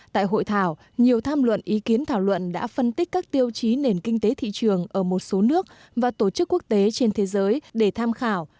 tại hội thảo nhiều tham luận ý kiến thảo luận đã phân tích các tiêu chí nền kinh tế thị trường ở một số nước và tổ chức quốc tế trên thế giới để tham khảo